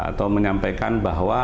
atau menyampaikan bahwa